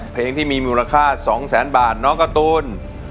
เพลงที่มีมูลค่า๒๐๐๐๐๐บาทน้องกระตูน